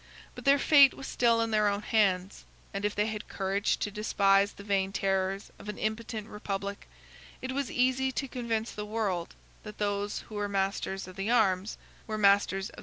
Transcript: But their fate was still in their own hands; and if they had courage to despise the vain terrors of an impotent republic, it was easy to convince the world, that those who were masters of the arms, were masters of the authority, of the state.